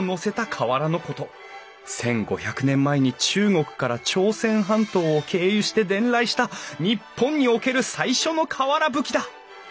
１，５００年前に中国から朝鮮半島を経由して伝来した日本における最初の瓦葺きだ！